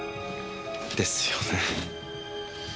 ですよね。